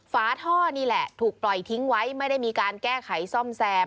ฝาท่อนี่แหละถูกปล่อยทิ้งไว้ไม่ได้มีการแก้ไขซ่อมแซม